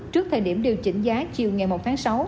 trước thời điểm điều chỉnh giá chiều ngày một tháng sáu